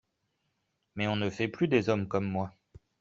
Mais on ne fait plus des hommes comme moi.